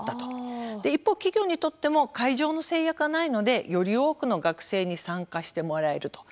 一方、企業にとっても会場の制約がないのでより多くの学生に参加してもらえると。